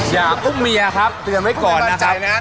อย่าอุ้มเมียครับเตือนไว้ก่อนนะใจนะครับ